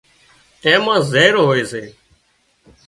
اين مان زهر هوئي سي